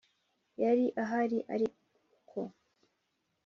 yari ahari ari uko